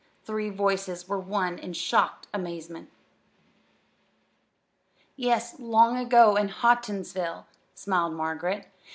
The three voices were one in shocked amazement. "Yes, long ago in Houghtonsville," smiled Margaret.